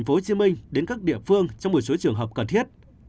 người dân từ tp hcm đến các địa phương trong một số trường hợp cần thiết